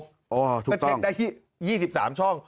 ก็เช็คได้๒๓ช่อง